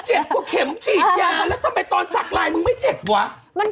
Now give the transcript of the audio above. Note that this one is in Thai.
กว่าเข็มฉีดยาแล้วทำไมตอนสักลายมึงไม่เจ็บวะ